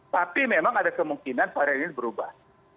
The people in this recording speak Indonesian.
tapi memang ada kemungkinan varian ini berubah